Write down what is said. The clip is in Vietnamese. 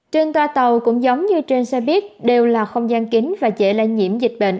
trên toa tàu cũng giống như trên xe buýt đều là không gian kính và dễ lây nhiễm